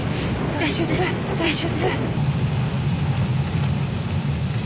脱出脱出。